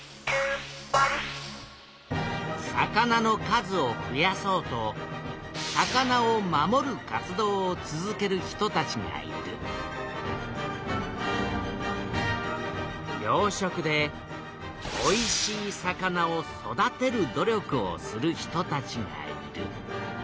魚の数をふやそうと魚を守る活動を続ける人たちがいる養殖でおいしい魚を育てる努力をする人たちがいる。